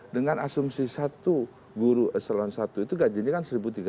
dengan asumsi satu guru eselon satu itu gajinya kan satu tiga ratus